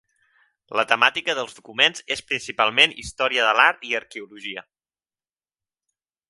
La temàtica dels documents és principalment història de l'art i arqueologia.